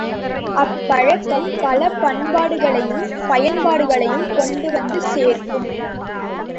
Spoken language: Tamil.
அப்பழக்கம் பல பண்பாடுகளையும் பயன்பாடுகளையும் கொண்டுவந்து சேர்க்கும்.